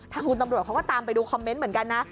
ทางคุณตำรวจเขาก็ตามไปดูคอมเมนต์เหมือนกันนะ